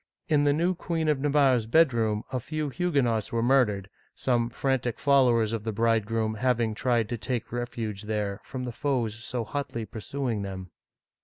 " In the new Queen of Navarre's bedroom a few Huguenots were murdered, some frantic followers of the bridegroom having tried to take refuge there from the foes so hotly pursuing them.